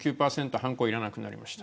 判子要らなくなりました